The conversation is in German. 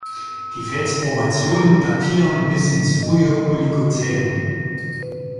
Die Felsformationen datieren bis ins frühe Oligozän.